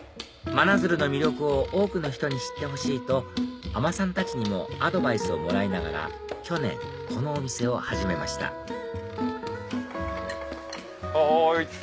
真鶴の魅力を多くの人に知ってほしいと海士さんたちにもアドバイスをもらいながら去年このお店を始めましたはい。